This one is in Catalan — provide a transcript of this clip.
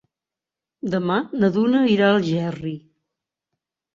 Demà na Duna irà a Algerri.